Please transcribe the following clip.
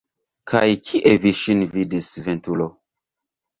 Kaj kie vi ŝin vidis, ventulo?